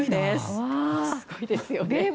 すごいですよね。